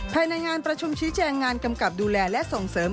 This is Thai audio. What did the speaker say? ภายในงานประชุมชี้แจงงานกำกับดูแลและส่งเสริม